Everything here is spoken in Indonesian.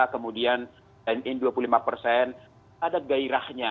kemudian dua puluh lima ada gairahnya